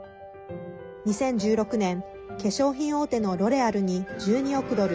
２０１６年化粧品大手のロレアルに１２億ドル